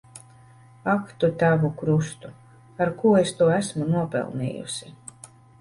Ak tu tavu krustu! Ar ko es to esmu nopelnījusi.